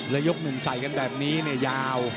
แล้วยกหนึ่งใส่กันแบบนี้เนี่ยยาว